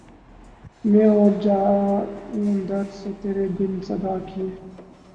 میں اور جاؤں در سے ترے بن صدا کیے